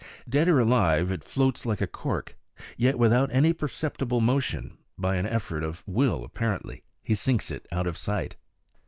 Dead or alive, it floats like a cork; yet without any perceptible motion, by an effort of will apparently, he sinks it out of sight.